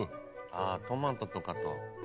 あトマトとかと。